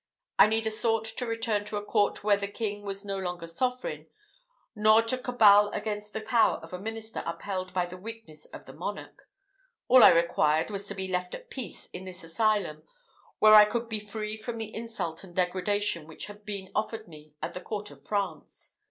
I neither sought to return to a court where the king was no longer sovereign, nor to cabal against the power of a minister upheld by the weakness of the monarch. All I required was to be left at peace in this asylum, where I could be free from the insult and degradation which had been offered me at the court of France.